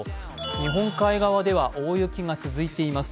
日本海側では大雪が続いています。